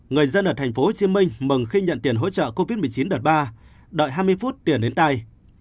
người dân ở tp hcm mừng khi nhận tiền hỗ trợ covid một mươi chín đợt ba đợi hai mươi phút tiền đến tay